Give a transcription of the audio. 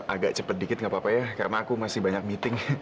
agak cepet dikit gapapa ya karena aku masih banyak meeting